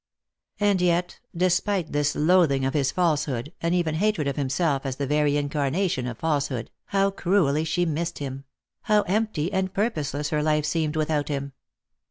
And yet, despite this loathing of his falsehood, and even hatred of himself as the very incarnation of falsehood, how cruelly she missed him ! how empty and purposeless her life seemed without him